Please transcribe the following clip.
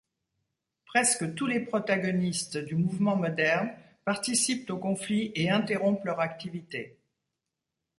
Presque tous les protagonistes du mouvement moderne participent au conflit et interrompent leur activité.